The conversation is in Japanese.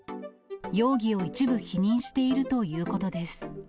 容疑を一部否認しているということです。